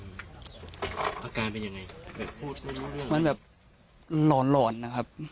อาการเป็นยังไงแบบพูดไม่รู้เรื่องมันแบบหลอนหลอนนะครับ